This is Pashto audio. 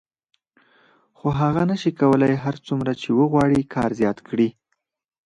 خو هغه نشي کولای هر څومره چې وغواړي کار زیات کړي